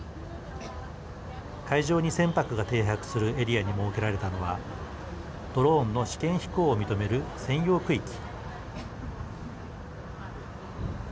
海上に船舶が停泊するエリアに設けられたのはドローンの試験飛行を認める専用区域。